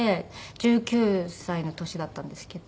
１９歳の年だったんですけど。